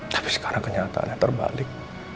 tapi sekarang kenyataannya terbalik